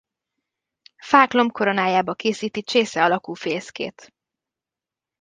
Fák lombkoronájába készíti csésze alakú fészkét.